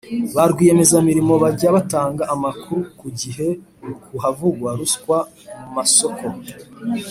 ba rwiyemezamirimo bajya batanga amakuru ku gihe ku havugwa ruswa mu masoko